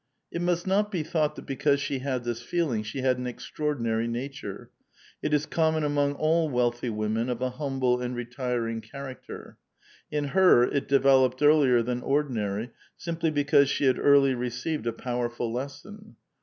It must not be thought that because she had this feeling, she had an extraordinary nature ; it is common among all wealthy women of a humble and retiring character. In her it developed earlier than ordinary, simply because she had early received a powerful lesson.